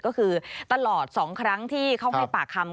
ก็คือตลอด๒ครั้งที่เขาให้ปากคำ